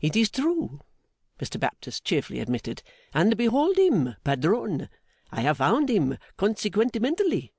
'It is true,' Mr Baptist cheerfully admitted. 'And behold him, padrone! I have found him consequentementally.